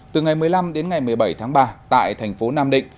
từ ngày một mươi năm đến ngày một mươi bảy tháng ba tại thành phố nam định